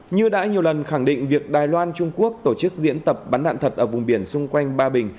như đã nhiều lần khẳng định việc đài loan trung quốc tổ chức diễn tập bắn đạn thật ở vùng biển xung quanh ba bình